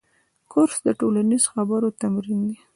کورس د ټولنیزو خبرو تمرین دی.